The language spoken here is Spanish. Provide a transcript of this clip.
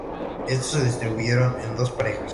Estos se distribuyeron en dos parejas.